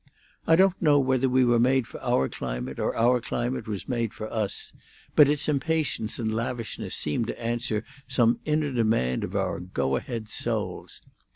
I don't know whether we were made for our climate or our climate was made for us, but its impatience and lavishness seem to answer some inner demand of our go ahead souls.